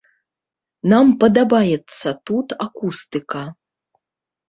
Нам падабаецца тут акустыка.